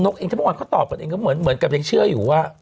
กันตอบกันเองก็เหมือนเหมือนกับเองเชื่ออยู่ว่า